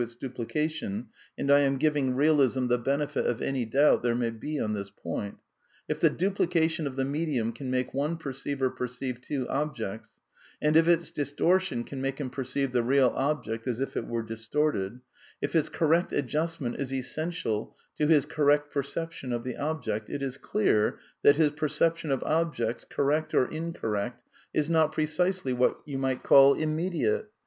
^ its duplication, and I am giving Eealism the benefit of any u^^i"^^ doubt there may be on this point — if the duplication of the medium can make one perceiver perceive two objects ; and if its distortion can make him perceive the real object as if it were distorted ; if its correct adjustment is essential to his correct perception of the object, it is clear that his per ception of objects, correct or incorrect, is not precisely what you might call immediate.